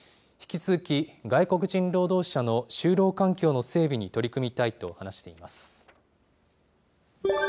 引き続き、外国人労働者の就労環境の整備に取り組みたいと話しています。